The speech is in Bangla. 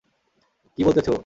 কি বলতেছে ও?